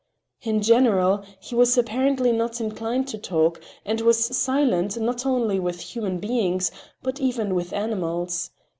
In general, he was apparently not inclined to talk, and was silent not only with human beings, but even with animals.